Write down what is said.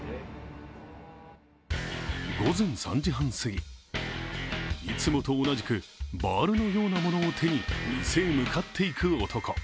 午前３時半過ぎ、いつもと同じくバールのようなものを手に店へ向かっていく男。